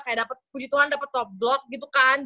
kayak dapet puji tuhan dapet top block gitu kan